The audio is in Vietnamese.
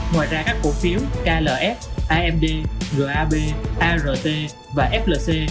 ngoài ra các cổ phiếu klf amd gab art và flc